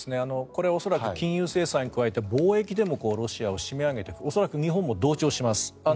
これは恐らく金融制裁に加えて貿易でもロシアを締め上げて恐らく日本も同調します。